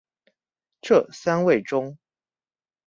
這三位中